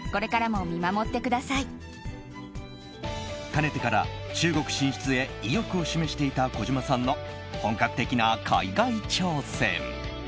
かねてから中国進出へ意欲を示していた小島さんの本格的な海外挑戦。